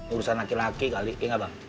urusan laki laki kali ya gak bang